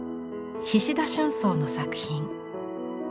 菱田春草の作品。